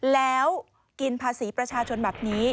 แล้วกินภาษีประชาชนแบบนี้